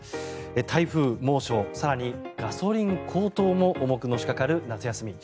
台風、猛暑、更にガソリン高騰も重くのしかかる夏休み。